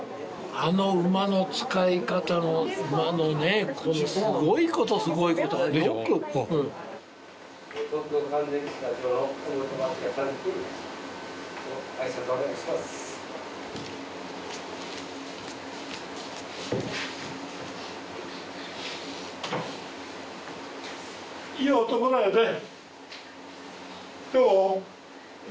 あの馬の使い方の馬のねこのすごいことすごいこといい男だよねどう？